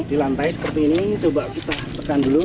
di lantai seperti ini coba kita tekan dulu